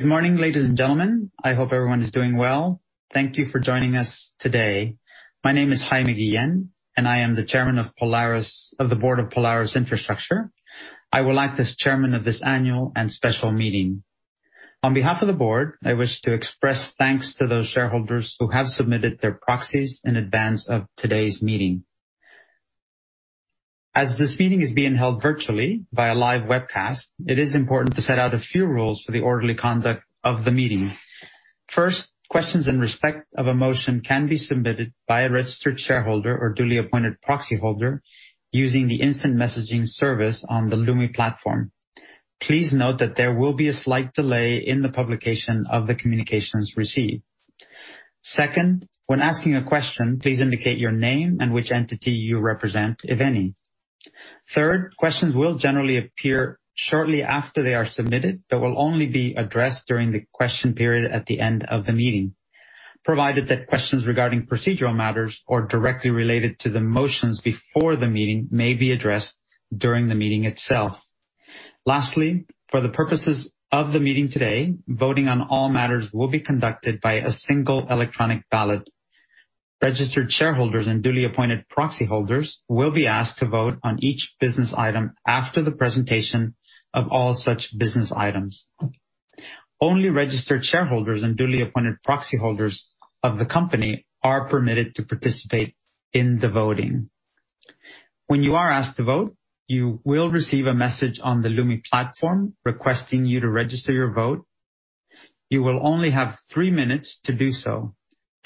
Good morning, ladies and gentlemen. I hope everyone is doing well. Thank you for joining us today. My name is Jaime Guillen, and I am the Chairman of the Board of Polaris Infrastructure Inc., I will act as chairman of this annual and special meeting. On behalf of the board, I wish to express thanks to those shareholders who have submitted their proxies in advance of today's meeting. As this meeting is being held virtually via live webcast, it is important to set out a few rules for the orderly conduct of the meeting. First, questions in respect of a motion can be submitted by a registered shareholder or duly appointed proxyholder using the instant messaging service on the Lumi platform. Please note that there will be a slight delay in the publication of the communications received. Second, when asking a question, please indicate your name and which entity you represent, if any. Third, questions will generally appear shortly after they are submitted, but will only be addressed during the question period at the end of the meeting, provided that questions regarding procedural matters or directly related to the motions before the meeting may be addressed during the meeting itself. Lastly, for the purposes of the meeting today, voting on all matters will be conducted by a single electronic ballot. Registered shareholders and duly appointed proxyholders will be asked to vote on each business item after the presentation of all such business items. Only registered shareholders and duly appointed proxyholders of the company are permitted to participate in the voting. When you are asked to vote, you will receive a message on the Lumi platform requesting you to register your vote. You will only have three minutes to do so.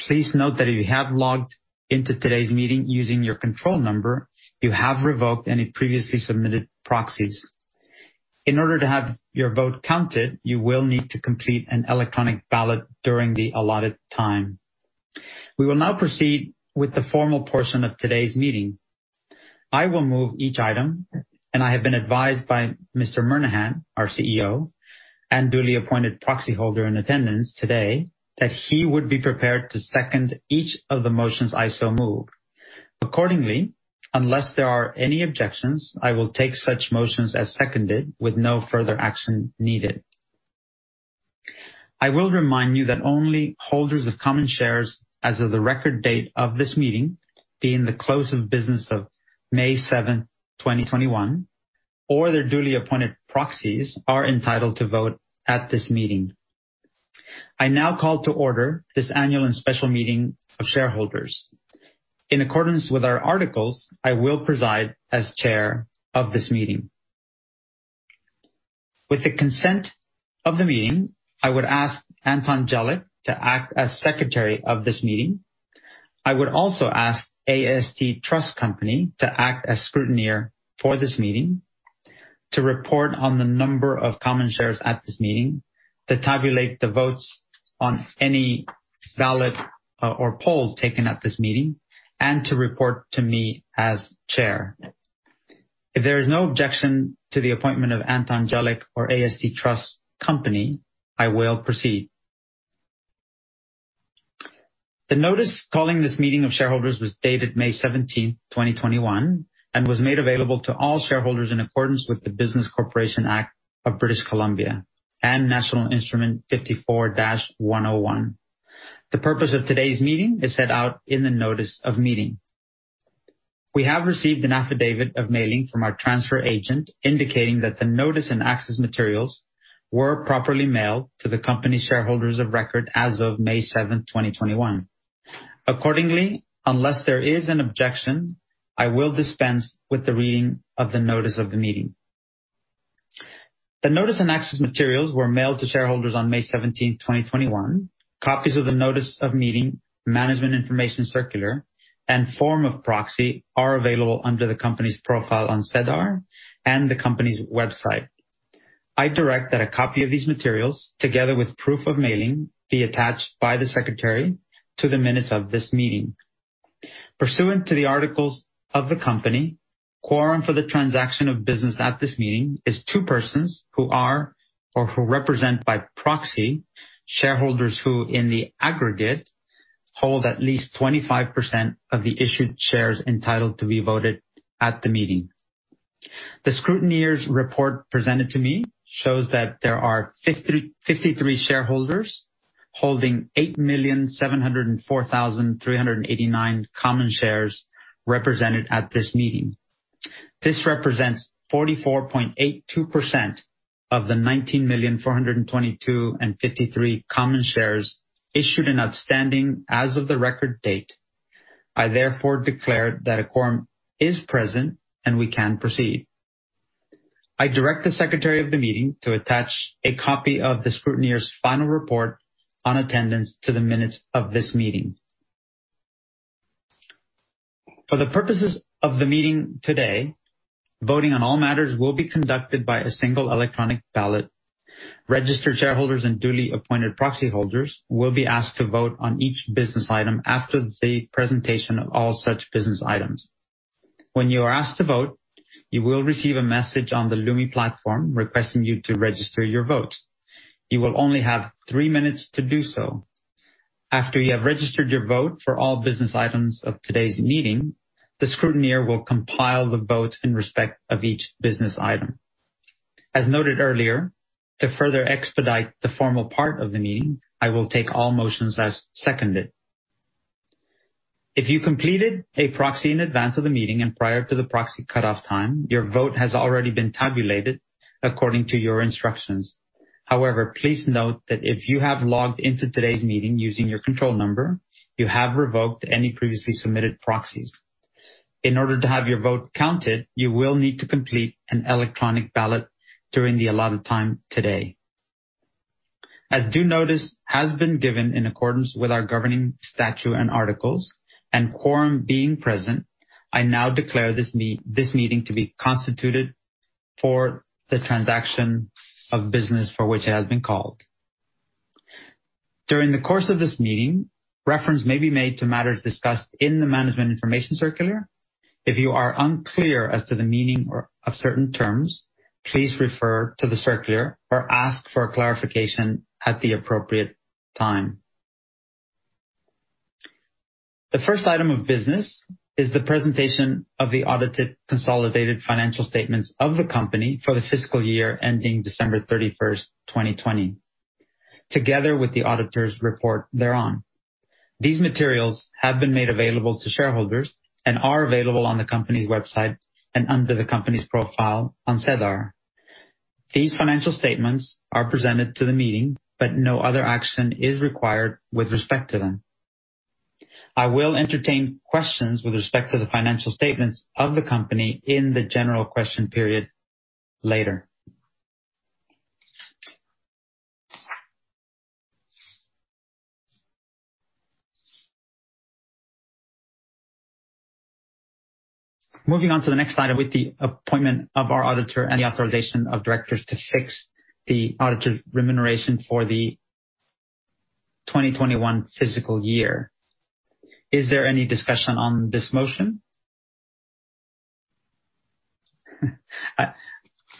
Please note that if you have logged into today's meeting using your control number, you have revoked any previously submitted proxies. In order to have your vote counted, you will need to complete an electronic ballot during the allotted time. We will now proceed with the formal portion of today's meeting. I will move each item, and I have been advised by Mr. Murnaghan, our CEO, and duly appointed proxyholder in attendance today, that he would be prepared to second each of the motions I so move. Accordingly, unless there are any objections, I will take such motions as seconded with no further action needed. I will remind you that only holders of common shares as of the record date of this meeting, being the close of business of May 7th, 2021, or their duly appointed proxies, are entitled to vote at this meeting. I now call to order this annual and special meeting of shareholders. In accordance with our articles, I will preside as chair of this meeting. With the consent of the meeting, I would ask Anton Jelic to act as secretary of this meeting. I would also ask AST Trust Company to act as scrutineer for this meeting to report on the number of common shares at this meeting, to tabulate the votes on any ballot or poll taken at this meeting, and to report to me as chair. If there is no objection to the appointment of Anton Jelic or AST Trust Company, I will proceed. The notice calling this meeting of shareholders was dated May 17th, 2021, and was made available to all shareholders in accordance with the Business Corporations Act of British Columbia and National Instrument 54-101. The purpose of today's meeting is set out in the notice of meeting. We have received an affidavit of mailing from our transfer agent indicating that the notice and access materials were properly mailed to the company shareholders of record as of May 7th, 2021. Accordingly, unless there is an objection, I will dispense with the reading of the notice of the meeting. The notice and access materials were mailed to shareholders on May 17th, 2021. Copies of the notice of meeting, management information circular, and form of proxy are available under the company's profile on SEDAR and the company's website. I direct that a copy of these materials, together with proof of mailing, be attached by the secretary to the minutes of this meeting. Pursuant to the articles of the company, quorum for the transaction of business at this meeting is two persons who are, or who represent by proxy, shareholders who, in the aggregate, hold at least 25% of the issued shares entitled to be voted at the meeting. The scrutineer's report presented to me shows that there are 53 shareholders holding 8,704,389 common shares represented at this meeting. This represents 44.82% of the 19,422,053 common shares issued and outstanding as of the record date. I therefore declare that a quorum is present and we can proceed. I direct the secretary of the meeting to attach a copy of the scrutineer's final report on attendance to the minutes of this meeting. For the purposes of the meeting today, voting on all matters will be conducted by a single electronic ballot. Registered shareholders and duly appointed proxyholders will be asked to vote on each business item after the presentation of all such business items. When you are asked to vote, you will receive a message on the Lumi platform requesting you to register your vote. You will only have three minutes to do so. After you have registered your vote for all business items of today's meeting, the scrutineer will compile the votes in respect of each business item. As noted earlier, to further expedite the formal part of the meeting, I will take all motions as seconded. If you completed a proxy in advance of the meeting and prior to the proxy cutoff time, your vote has already been tabulated according to your instructions. However, please note that if you have logged into today's meeting using your control number, you have revoked any previously submitted proxies. In order to have your vote counted, you will need to complete an electronic ballot during the allotted time today. As due notice has been given in accordance with our governing statute and articles, and quorum being present, I now declare this meeting to be constituted for the transaction of business for which it has been called. During the course of this meeting, reference may be made to matters discussed in the management information circular. If you are unclear as to the meaning of certain terms, please refer to the circular or ask for clarification at the appropriate time. The first item of business is the presentation of the audited consolidated financial statements of the company for the fiscal year ending December 31st, 2020, together with the auditor's report thereon. These materials have been made available to shareholders and are available on the company's website and under the company's profile on SEDAR. These financial statements are presented to the meeting, but no other action is required with respect to them. I will entertain questions with respect to the financial statements of the company in the general question period later. Moving on to the next slide with the appointment of our auditor and the authorization of directors to fix the auditor's remuneration for the 2021 fiscal year. Is there any discussion on this motion?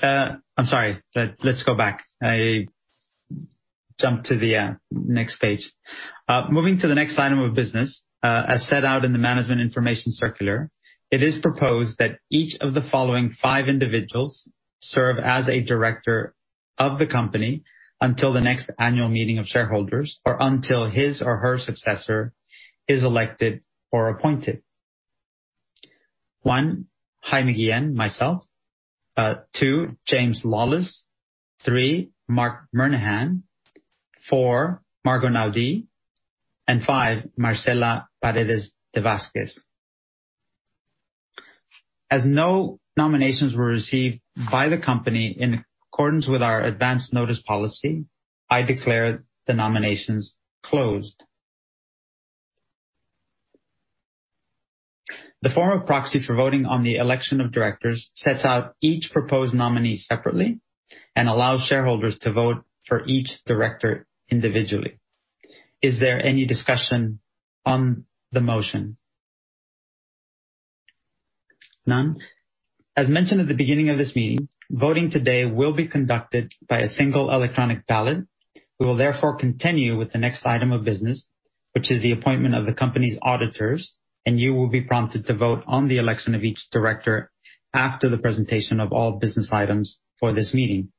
I'm sorry. Let's go back. I jumped to the next page. Moving to the next item of business. As set out in the management information circular, it is proposed that each of the following five individuals serve as a director of the company until the next annual meeting of shareholders, or until his or her successor is elected or appointed. One, Jaime Guillen, myself, two, James Lawless, three, Marc Murnaghan, four, Margot Naudie, five, Marcela Paredes de Vásquez. As no nominations were received by the company in accordance with our advance notice policy, I declare the nominations closed. The form of proxy for voting on the election of directors sets out each proposed nominee separately and allows shareholders to vote for each director individually. Is there any discussion on the motion? None. As mentioned at the beginning of this meeting, voting today will be conducted by a single electronic ballot. We will therefore continue with the next item of business, which is the appointment of the company's auditors. You will be prompted to vote on the election of each director after the presentation of all business items for this meeting.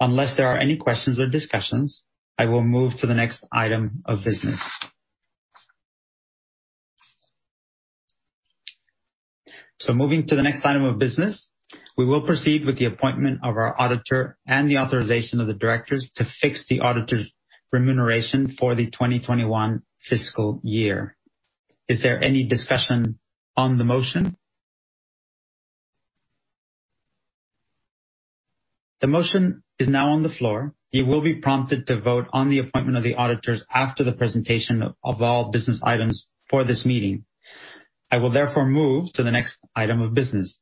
Unless there are any questions or discussions, I will move to the next item of business. Moving to the next item of business, we will proceed with the appointment of our auditor and the authorization of the directors to fix the auditor's remuneration for the 2021 fiscal year. Is there any discussion on the motion? The motion is now on the floor. You will be prompted to vote on the appointment of the auditors after the presentation of all business items for this meeting. I will therefore move to the next item of business.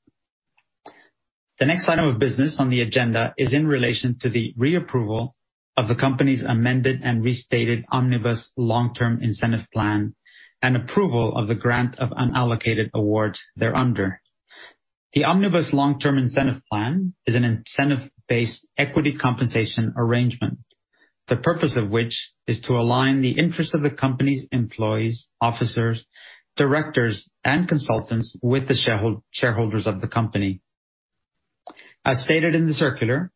The next item of business on the agenda is in relation to the reapproval of the company's amended and restated Omnibus Long-Term Incentive Plan and approval of the grant of unallocated awards thereunder. The Omnibus Long-Term Incentive Plan is an incentive-based equity compensation arrangement, the purpose of which is to align the interests of the company's employees, officers, directors, and consultants with the shareholders of the company. As stated in the circular,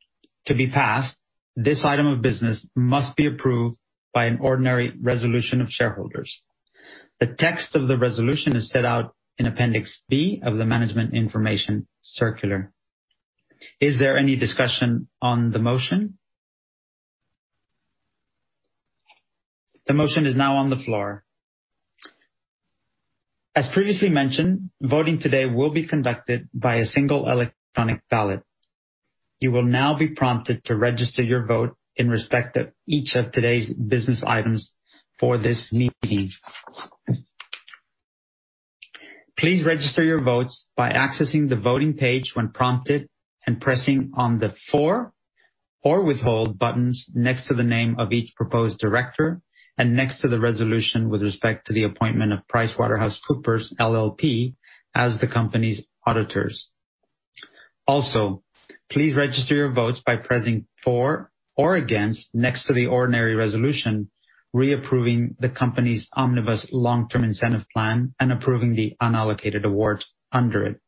to be passed, this item of business must be approved by an ordinary resolution of shareholders. The text of the resolution is set out in Appendix B of the management information circular. Is there any discussion on the motion? The motion is now on the floor. As previously mentioned, voting today will be conducted by a single electronic ballot. You will now be prompted to register your vote in respect of each of today's business items for this meeting. Please register your votes by accessing the voting page when prompted and pressing on the "for" or "withhold" buttons next to the name of each proposed director and next to the resolution with respect to the appointment of PricewaterhouseCoopers, LLP as the company's auditors. Please register your votes by pressing for or against next to the ordinary resolution reapproving the company's omnibus long-term incentive plan and approving the unallocated awards under it.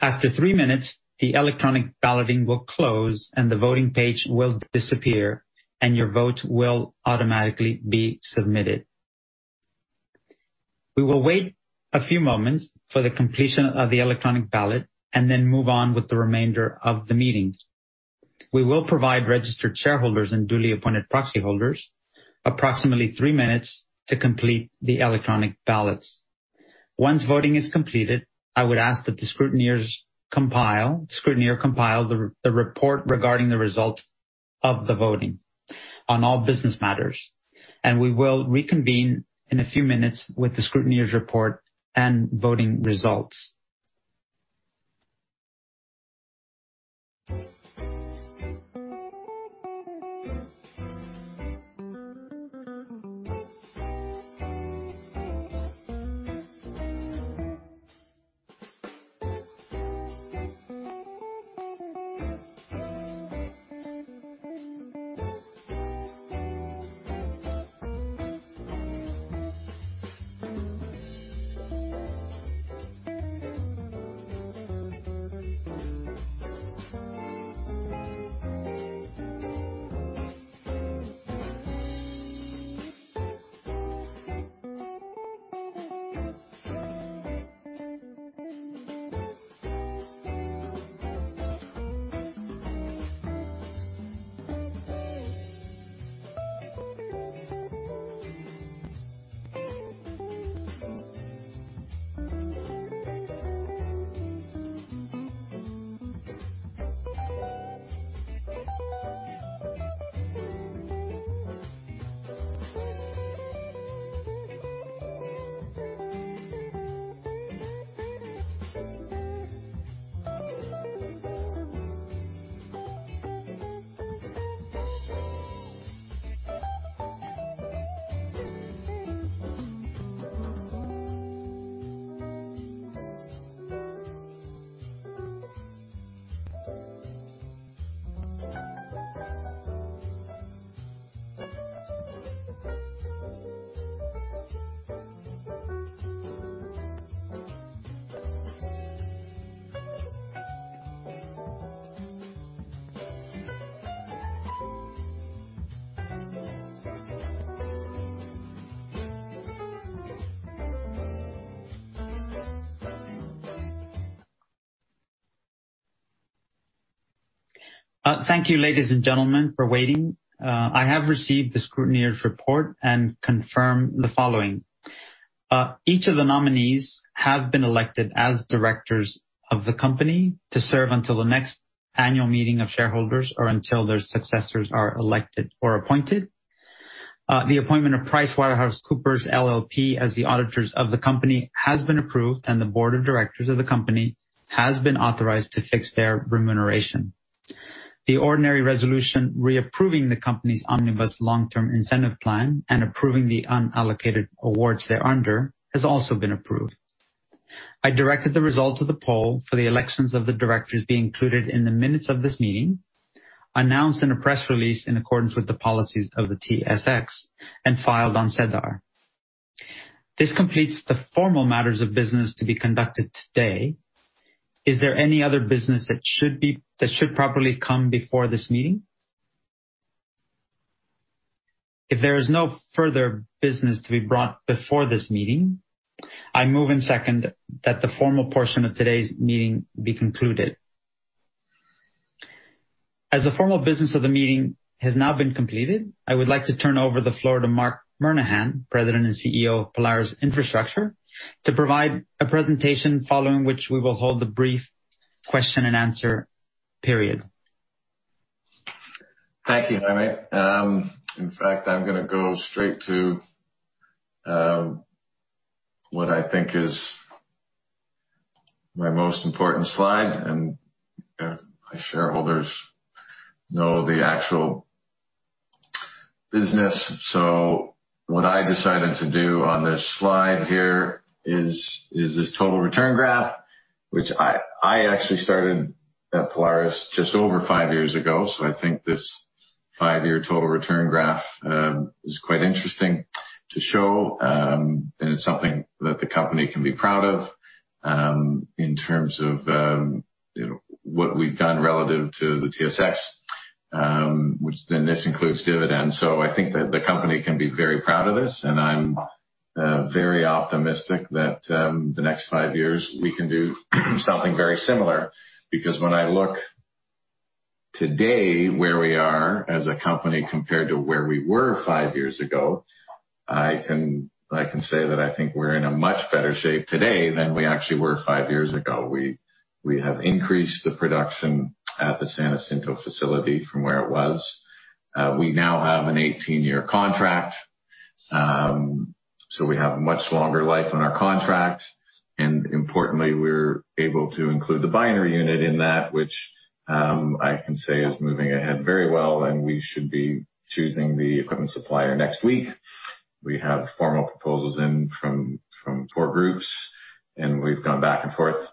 After three minutes, the electronic balloting will close, and the voting page will disappear, and your vote will automatically be submitted. We will wait a few moments for the completion of the electronic ballot and then move on with the remainder of the meeting. We will provide registered shareholders and duly appointed proxy holders approximately three minutes to complete the electronic ballots. Once voting is completed, I would ask that the scrutineer compile the report regarding the results of the voting on all business matters, and we will reconvene in a few minutes with the scrutineer's report and voting results. Thank you, ladies and gentlemen, for waiting. I have received the scrutineer's report and confirm the following. Each of the nominees have been elected as directors of the company to serve until the next annual meeting of shareholders or until their successors are elected or appointed. The appointment of PricewaterhouseCoopers LLP as the auditors of the company has been approved, and the board of directors of the company has been authorized to fix their remuneration. The ordinary resolution reapproving the company's omnibus long-term incentive plan and approving the unallocated awards thereunder has also been approved. I directed the results of the poll for the elections of the directors be included in the minutes of this meeting, announced in a press release in accordance with the policies of the TSX, and filed on SEDAR. This completes the formal matters of business to be conducted today. Is there any other business that should properly come before this meeting? If there is no further business to be brought before this meeting, I move and second that the formal portion of today's meeting be concluded. As the formal business of the meeting has now been completed, I would like to turn over the floor to Marc Murnaghan, President and CEO of Polaris Infrastructure Inc., to provide a presentation, following which we will hold a brief question and answer period. Thank you, Jaime Guillen. In fact, I’m going to go straight to what I think is my most important slide. My shareholders know the actual business. What I decided to do on this slide here is this total return graph, which I actually started at Polaris just over five years ago. I think this five-year total return graph is quite interesting to show. It’s something that the company can be proud of in terms of what we’ve done relative to the TSX, which this includes dividends. I think that the company can be very proud of this, and I'm very optimistic that the next five years we can do something very similar, because when I look today where we are as a company compared to where we were five years ago, I can say that I think we're in a much better shape today than we actually were five years ago. We have increased the production at the San Jacinto facility from where it was. We now have an 18-year contract, we have a much longer life on our contract, importantly, we're able to include the binary unit in that, which I can say is moving ahead very well, we should be choosing the equipment supplier next week. We have formal proposals in from four groups, we've gone back and forth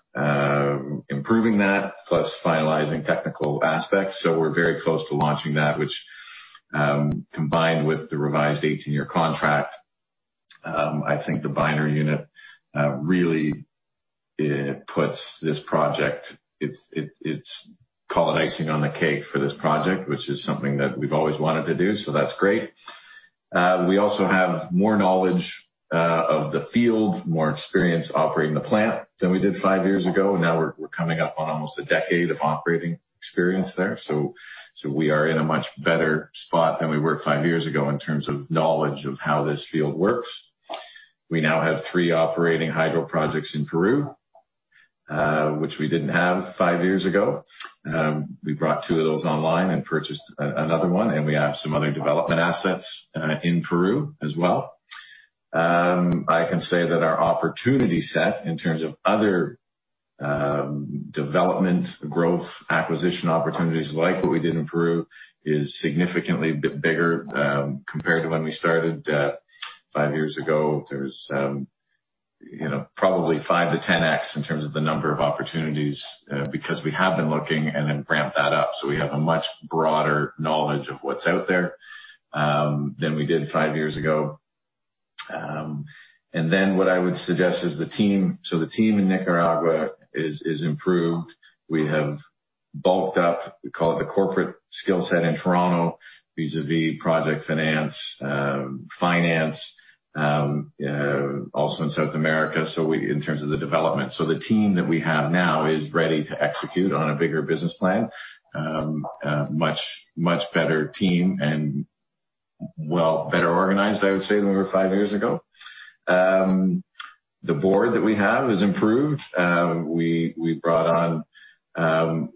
improving that, plus finalizing technical aspects. We're very close to launching that, which, combined with the revised 18-year contract, I think the binary unit really puts this project. It's called an icing on the cake for this project, which is something that we've always wanted to do. That's great. We also have more knowledge of the field, more experience operating the plant than we did five years ago, and now we're coming up on almost a decade of operating experience there. We are in a much better spot than we were five years ago in terms of knowledge of how this field works. We now have three operating hydro projects in Peru, which we didn't have five years ago. We brought two of those online and purchased another one, and we have some other development assets in Peru as well. I can say that our opportunity set, in terms of other development growth acquisition opportunities like what we did in Peru, is significantly bigger compared to when we started five years ago. There's probably 5x-10x in terms of the number of opportunities, because we have been looking and then ramp that up. We have a much broader knowledge of what's out there than we did five years ago. What I would suggest is the team. The team in Nicaragua is improved. We have bulked up, we call it the corporate skill set in Toronto, vis-a-vis project finance, also in South America, in terms of the development. The team that we have now is ready to execute on a bigger business plan. Much better team and well, better organized, I would say, than we were five years ago. The board that we have is improved. We brought on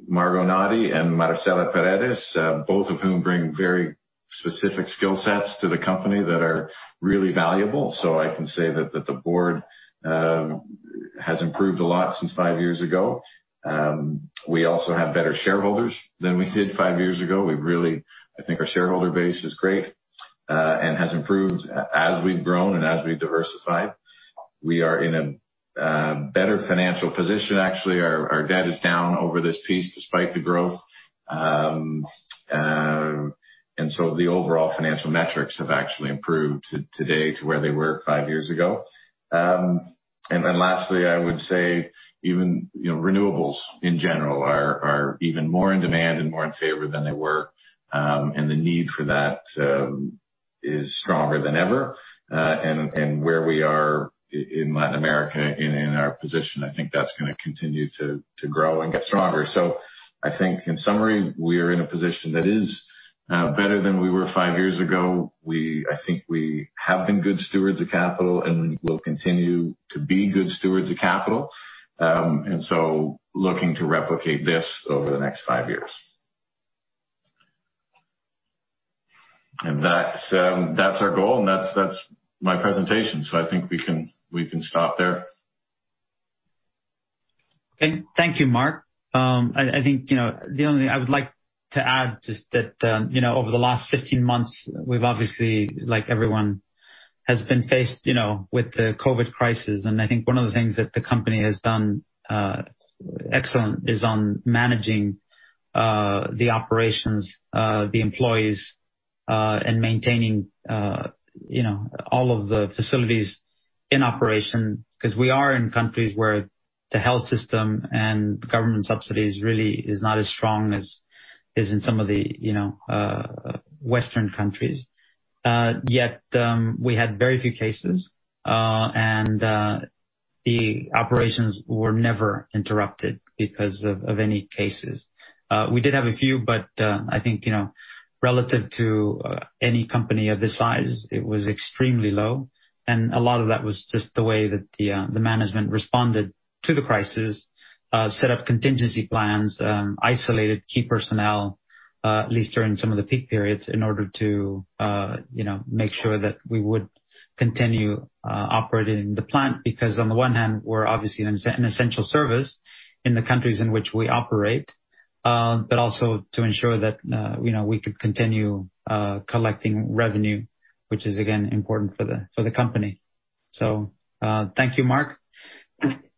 Margot Naudie and Marcela Paredes, both of whom bring very specific skill sets to the company that are really valuable. I can say that the board has improved a lot since five years ago. We also have better shareholders than we did five years ago. I think our shareholder base is great and has improved as we've grown and as we've diversified. We are in a better financial position, actually. Our debt is down over this piece despite the growth. The overall financial metrics have actually improved today to where they were five years ago. Lastly, I would say, renewables in general are even more in demand and more in favor than they were. The need for that is stronger than ever. Where we are in Latin America and in our position, I think that's going to continue to grow and get stronger. I think in summary, we are in a position that is better than we were five years ago. I think we have been good stewards of capital, and we will continue to be good stewards of capital. Looking to replicate this over the next five years. That's our goal, and that's my presentation. I think we can stop there. Thank you, Marc. I think the only thing I would like to add just that over the last 15 months, we've obviously, like everyone, has been faced with the COVID crisis. I think one of the things that the company has done excellent is on managing the operations, the employees, and maintaining all of the facilities in operation, because we are in countries where the health system and government subsidies really is not as strong as in some of the Western countries. Yet, we had very few cases, and the operations were never interrupted because of any cases. We did have a few, but I think relative to any company of this size, it was extremely low, and a lot of that was just the way that the management responded to the crisis, set up contingency plans, isolated key personnel, at least during some of the peak periods, in order to make sure that we would continue operating the plant. Because on the one hand, we're obviously an essential service in the countries in which we operate, but also to ensure that we could continue collecting revenue, which is again important for the company. Thank you, Marc.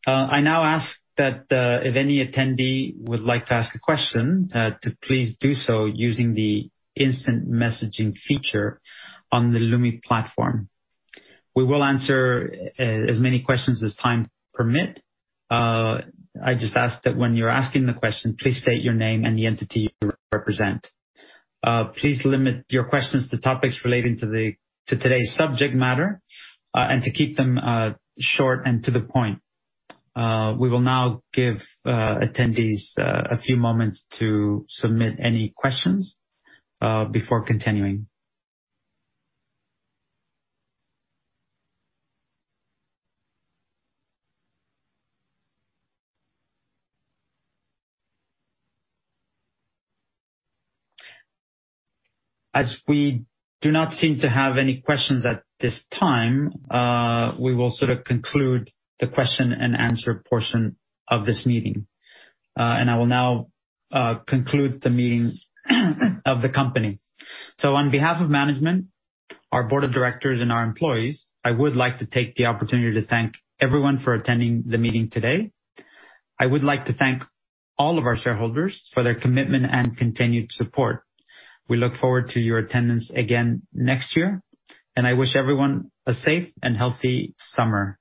I now ask that if any attendee would like to ask a question, to please do so using the instant messaging feature on the Lumi platform. We will answer as many questions as time permit. I just ask that when you're asking the question, please state your name and the entity you represent. Please limit your questions to topics relating to today's subject matter, and to keep them short and to the point. We will now give attendees a few moments to submit any questions before continuing. As we do not seem to have any questions at this time, we will sort of conclude the question and answer portion of this meeting. I will now conclude the meeting of the company. On behalf of management, our board of directors and our employees, I would like to take the opportunity to thank everyone for attending the meeting today. I would like to thank all of our shareholders for their commitment and continued support. We look forward to your attendance again next year, and I wish everyone a safe and healthy summer.